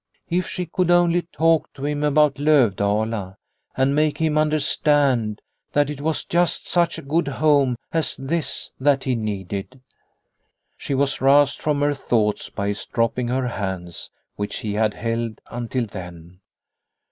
If she could only talk to him about Lovdala, and make him under stand that it was just such a good home as this that he needed. She was roused from her thoughts by his The Home 265 dropping her hands, which he had held until then.